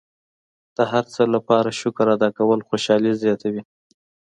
د هر څه لپاره شکر ادا کول خوشحالي زیاتوي.